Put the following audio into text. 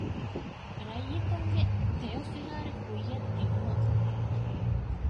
ރައްޔިތުންގެ ތެޔޮފިހާރަ ކުއްޔަށް ދިނުމަށް